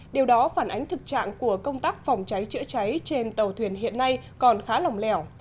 điều đó phản ánh thực trạng của công tác phòng cháy chữa cháy trên tàu thuyền hiện nay còn khá lòng lèo